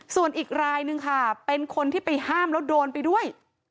ส่วนอีกรายนึงค่ะเป็นคนที่ไปห้ามแล้วโดนไปด้วย